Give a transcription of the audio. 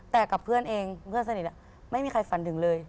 แต่กับเพื่อนเองเพื่อนสนิทไม่มีใครฝันถึงเลย